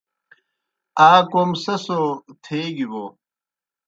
آ کوْم سہ سو تھیگیْ بوْ